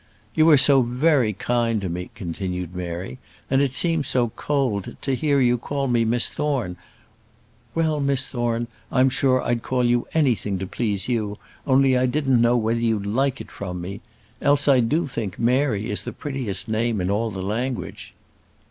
"You are so very kind to me," continued Mary, "and it seems so cold to hear you call me Miss Thorne." "Well, Miss Thorne, I'm sure I'd call you anything to please you. Only I didn't know whether you'd like it from me. Else I do think Mary is the prettiest name in all the language."